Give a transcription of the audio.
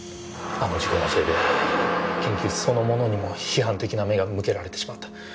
あの事故のせいで研究そのものにも批判的な目が向けられてしまった。